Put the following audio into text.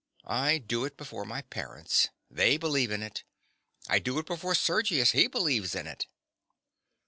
I do it before my parents. They believe in it. I do it before Sergius. He believes in it.